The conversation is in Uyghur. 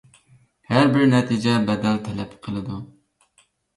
ھەربىر نەتىجە بەدەل تەلەپ قىلىدۇ.